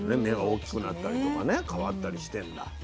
目が大きくなったりとかね変わったりしてんだ。